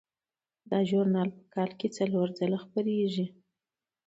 دا ژورنال په کال کې څلور ځله خپریږي.